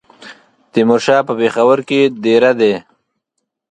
تیمورشاه په پېښور کې دېره دی.